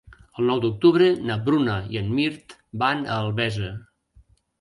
El nou d'octubre na Bruna i en Mirt van a Albesa.